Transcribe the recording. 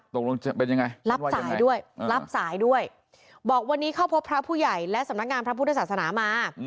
ตกลงจะเป็นยังไงรับสายด้วยรับสายด้วยบอกวันนี้เข้าพบพระผู้ใหญ่และสำนักงานพระพุทธศาสนามา